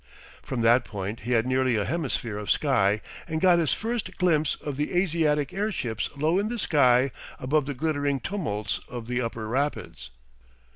From that point he had nearly a hemisphere of sky and got his first glimpse of the Asiatic airships low in the sky above the glittering tumults of the Upper Rapids.